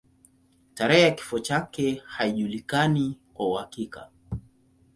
Tarehe ya kifo chake haijulikani kwa uhakika.